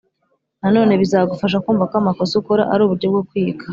Nanone bizagufasha kumva ko amakosa ukora ari uburyo bwo kwiga